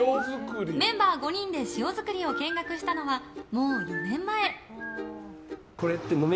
メンバー５人で塩作りを見学したのはもう４年前。